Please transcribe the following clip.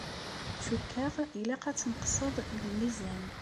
Cukkeɣ ilaq ad tneqseḍ deg lmizan.